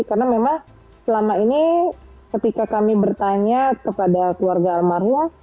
karena memang selama ini ketika kami bertanya kepada keluarga almarhum